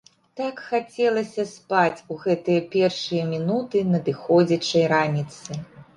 Так хацелася спаць у гэтыя першыя мінуты надыходзячай раніцы!